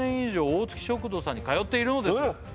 「おおつき食堂さんに通っているのですが」